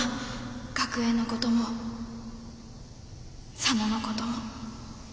学園のことも佐野のことも